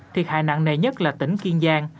thiệt hại nặng nề nhất là tỉnh kiên giang